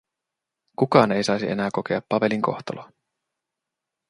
Kukaan ei saisi enää kokea Pavelin kohtaloa.